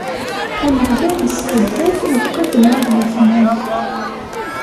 Ameɣlal issebdad lqedd n wid yeknan.